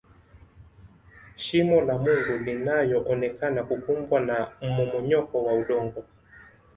shimo la mungu linayoonekana kukumbwa na mmomonyoko wa udongo